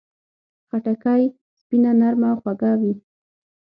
خټکی سپینه، نرمه او خوږه وي.